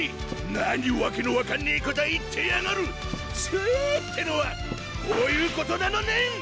何訳の分かんねぇこと言ってやがるＴＵＥＥＥってのはこういうことなのねん！